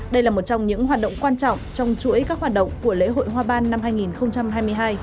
đây là một trong những hoạt động quan trọng trong chuỗi các hoạt động của lễ hội hoa ban năm hai nghìn hai mươi hai